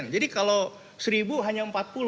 jadi kalau seribu hanya empat puluh